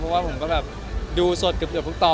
เพราะว่าดูสดกับพวกตอ